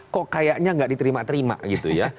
kok kayaknya nggak diterima terima gitu ya